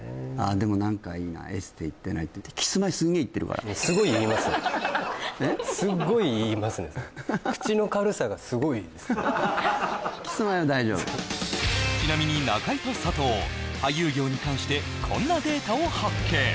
でも何かいいなエステ行ってないってすごい言いますねすっごい言いますねそれちなみに中居と佐藤俳優業に関してこんなデータを発見